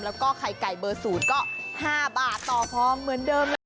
แล้วก็ไข่ไก่เบอร์๐ก็๕บาทต่อพร้อมเหมือนเดิม